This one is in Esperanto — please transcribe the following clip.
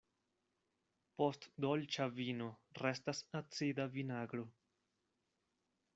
Post dolĉa vino restas acida vinagro.